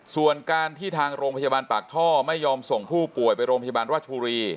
ส่วนการที่ทางโรงพยาบาลปากท่อไม่ยอมส่งผู้ป่วยไปโรงพยาบาลราชบุรี